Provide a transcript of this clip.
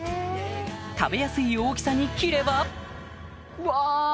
食べやすい大きさに切ればうわ！